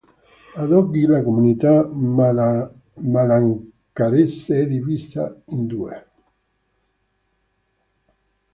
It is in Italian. Ad oggi la comunità malankarese è divisa in due.